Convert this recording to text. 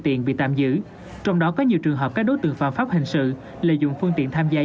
tiện bị tạm giữ trong đó có nhiều trường hợp các đối tượng phạm pháp hình sự lợi dụng phương tiện tham gia